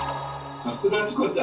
さすがチコちゃん。